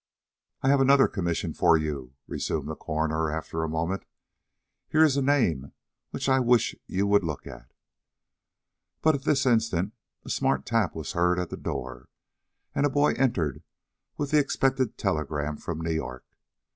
"I have another commission for you," resumed the coroner, after a moment. "Here is a name which I wish you would look at " But at this instant a smart tap was heard at the door, and a boy entered with the expected telegram from New York.